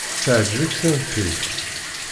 Teɛjeb-ik Seinfeld?